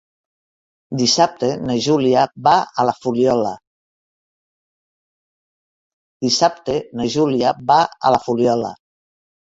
Dissabte na Júlia va a la Fuliola.